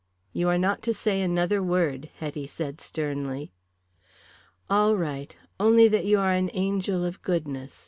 "You are not to say another word," Hetty said sternly. "All right. Only that you are an angel of goodness.